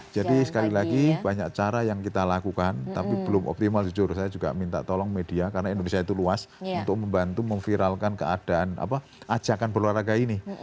jadi sekali lagi banyak cara yang kita lakukan tapi belum optimal jujur saya juga minta tolong media karena indonesia itu luas untuk membantu memviralkan keadaan ajakan berolahraga ini